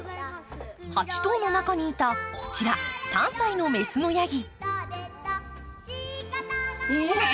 ８頭の中にいた、こちら、３歳の雌のヤギ。